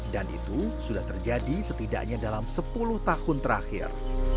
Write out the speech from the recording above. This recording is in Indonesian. dan itu sudah terjadi setidaknya dalam sepuluh tahun terakhir